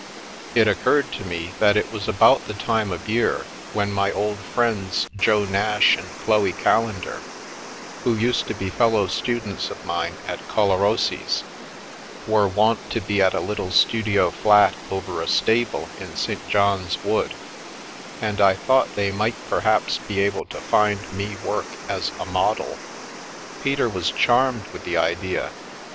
It occurred to me that it was about the time of year when my old friends Jo Nash and Chloe Callendar, who used to be fellow students of mine at Collarossi's, were wont to be at a little studio flat over a stable in St. John's Wood, and I thought they might perhaps be able to find me work as a model. Peter was charmed with the idea.